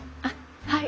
はい。